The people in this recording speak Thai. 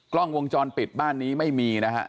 กล้องวงจรปิดบ้านนี้ไม่มีนะฮะ